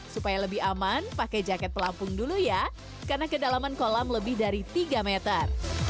supaya lebih aman pakai jaket pelampung dulu ya karena kedalaman kolam lebih dari tiga meter